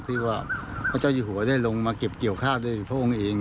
ที่ว่าพระเจ้าอยู่หัวได้ลงมาเก็บเกี่ยวข้าวด้วยพระองค์เอง